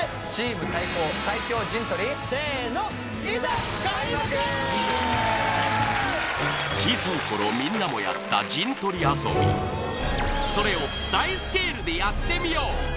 せーの小さい頃みんなもやった陣取り遊びそれを大スケールでやってみよう！